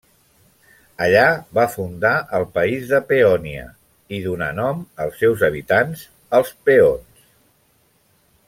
Allà va fundar el país de Peònia, i donà nom als seus habitants, els peons.